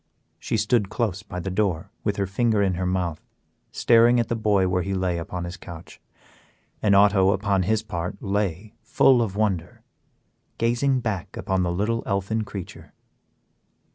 She stood close by the door with her finger in her mouth, staring at the boy where he lay upon his couch, and Otto upon his part lay, full of wonder, gazing back upon the little elfin creature.